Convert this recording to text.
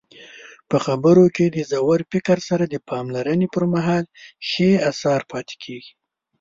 په خبرو کې د ژور فکر سره د پاملرنې پرمهال ښې اثار پاتې کیږي.